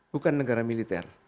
bukan negara militer